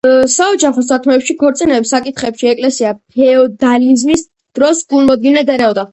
საოჯახო საქმეებში, ქორწინების საკითხებში ეკლესია ფეოდალიზმის დროს გულმოდგინედ ერეოდა.